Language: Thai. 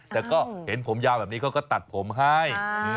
แต่ก็เห็นผมยาวแบบนี้เขาก็ตัดผมให้